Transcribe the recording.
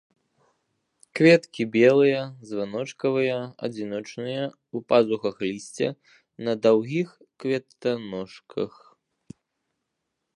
Кветкі белыя, званочкавыя, адзіночныя, у пазухах лісця, на даўгіх кветаножках.